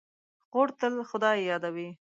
خور تل خدای یادوي.